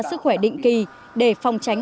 sức khỏe định kỳ để phòng tránh